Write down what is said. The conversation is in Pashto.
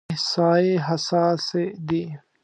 احصایې حساسې دي.